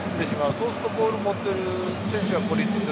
そうするとボールを持っている選手が。